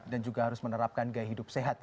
dan juga harus menerapkan gaya hidup sehat ya